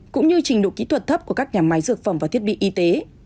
cũng như trình độ kỹ thuật thấp của các nhà máy dược phẩm và thiết bị y tế